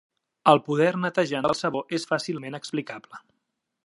El poder netejant del sabó és fàcilment explicable.